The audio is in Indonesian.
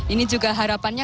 ini juga harapannya